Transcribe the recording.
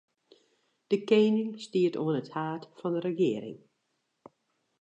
De kening stiet oan it haad fan 'e regearing.